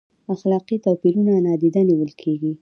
اخلاقي توپیرونه نادیده نیول کیږي؟